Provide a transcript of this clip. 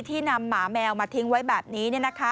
นำหมาแมวมาทิ้งไว้แบบนี้